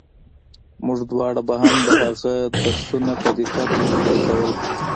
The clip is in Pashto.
موږ دواړو به هم د هغه درسونه په دقت زده کول.